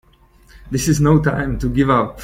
This is no time to give up!